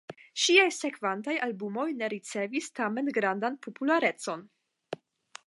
Ŝiaj sekvantaj albumoj ne ricevis tamen grandan popularecon.